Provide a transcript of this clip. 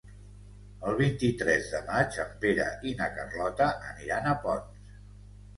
El vint-i-tres de maig en Pere i na Carlota aniran a Ponts.